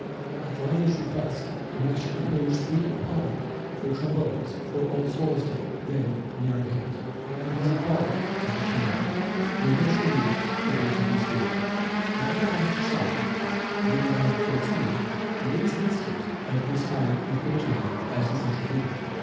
At the latter's request the master composed three equali for trombones for All Souls' Day, then near at hand. These equali, as it turned out, were eventually used for Beethoven's funeral. The Kapellmeister's son, then a lad of fourteen, relates an incident of this time with Beethoven as the central figure.